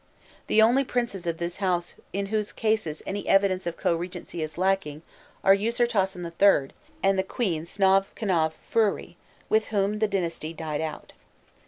The only princes of this house in whose cases any evidence of co regnancy is lacking are Ûsirtasen III., and the queen Sovknofriûrî, with whom the dynasty died out.